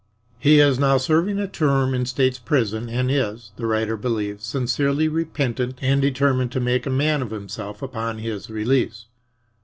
He is now serving a term in State's prison and is, the writer believes, sincerely repentant and determined to make a man of himself upon his release.